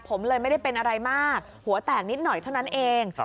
ผมเลยไม่ได้เป็นอะไรมากหัวแตกนิดหน่อยเท่านั้นเอง